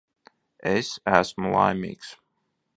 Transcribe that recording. Es esmu laimīgs.